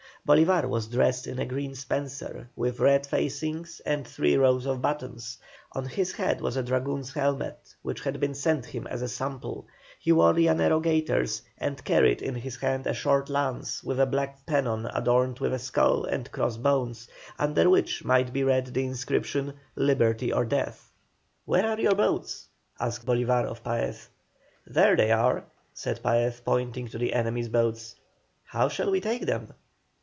Bolívar was dressed in a green spencer with red facings and three rows of buttons; on his head was a dragoon's helmet, which had been sent him as a sample; he wore Llanero gaiters, and carried in his hand a short lance with a black pennon adorned with a skull and cross bones, under which might be read the inscription "Liberty or Death." "Where are your boats?" asked Bolívar of Paez. "There they are," said Paez, pointing to the enemy's boats. "How shall we take them?"